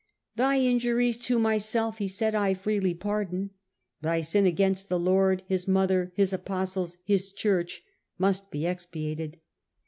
'Thy in juries to myself,' he said, ' I freely pardon ; thy sin against the Lord, His Mother, His Apostles, His Church must be expiated.